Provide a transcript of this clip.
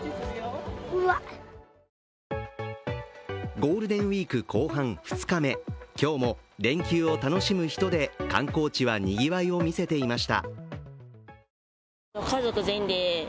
ゴールデンウイーク後半２日目、今日も連休を楽しむ人で観光地はにぎわいを見せていました。